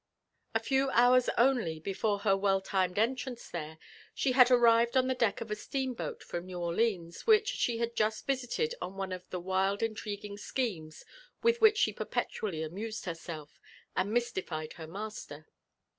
A few hours only before her well timed entrance there, she had ar rived on the deck of a steam boat from New Orleans, which she had just visited on one of the wild intriguing schemes with which she perpetually amused herself, and mystified her master.